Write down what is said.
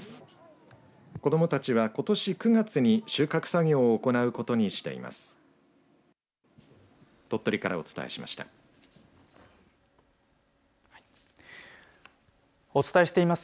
子どもたちは、ことし９月に収穫作業を行うことにしています。